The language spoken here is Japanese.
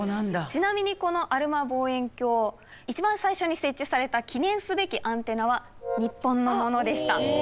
ちなみにこのアルマ望遠鏡一番最初に設置された記念すべきアンテナは日本のものでした。